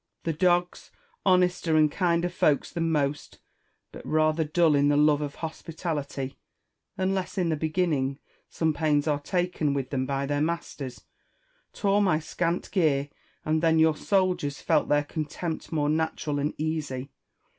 The dogs, honester and kinder folks than most, but rather dull in the love of hospitality, unless in the beginning some pains are taken with them by their masters, tore my scant gear ; and then your soldiers felt their contempt more natural and easy.